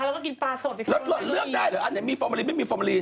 เลี่ยนเลือกได้หรืออันนั้นมีโฟร์เมรินไม่มีโฟร์เมริน